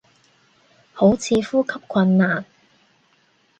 好似呼吸困難